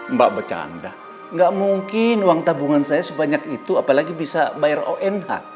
mbak bercanda nggak mungkin uang tabungan saya sebanyak itu apalagi bisa bayar onh